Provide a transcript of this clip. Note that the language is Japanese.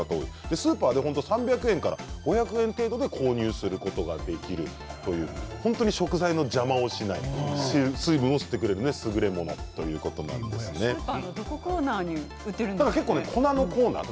スーパーで３００円から５００円程度で購入することができるという食材の邪魔をしない水分を吸ってくれるどのコーナーに粉のコーナーです。